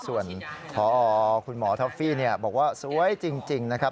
ส่วนพอคุณหมอท็อฟฟี่บอกว่าสวยจริงนะครับ